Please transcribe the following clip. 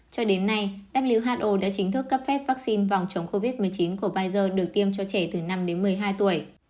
cho đến nay who đã chính thức cấp phép vaccine phòng chống covid một mươi chín của pfizer được tiêm cho trẻ từ năm đến một mươi hai tuổi